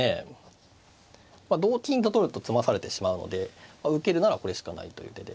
同金と取ると詰まされてしまうので受けるならこれしかないという手で。